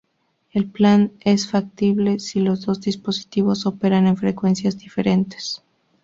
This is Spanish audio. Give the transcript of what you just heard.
El plan es factible si los dos dispositivos operan en frecuencias diferentes.